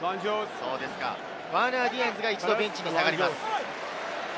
ワーナー・ディアンズが一度ベンチに戻ります。